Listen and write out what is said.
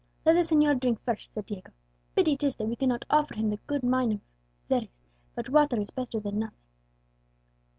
"Let the señor drink first," said Diego. "Pity 'tis that we cannot offer him the good wine of Xeres; but water is better than nothing."